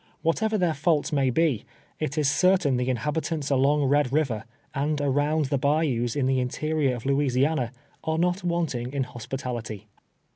Whatever their faults may be, it is certain the inhabitants along Red River, and around the bayous in the interior of Lijuisiana are not want ing in hospitality.